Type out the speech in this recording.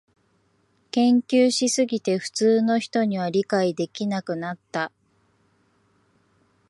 研究しすぎて普通の人には理解できなくなった